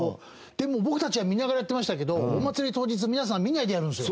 でも僕たちは見ながらやってましたけどお祭り当日は皆さん見ないでやるんですよ。